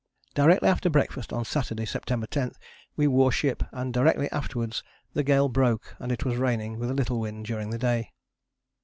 Directly after breakfast on Saturday, September 10, we wore ship, and directly afterwards the gale broke and it was raining, with little wind, during the day.